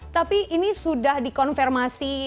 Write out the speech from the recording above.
tapi ini sudah dikonfirmasi